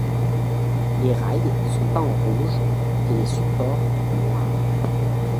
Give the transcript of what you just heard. Les rails sont peints en rouge et les supports en noir.